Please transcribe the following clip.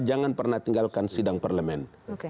jangan pernah tinggalkan sidang parlemen